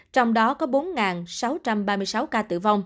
trong đó có bốn sáu trăm ba mươi sáu ca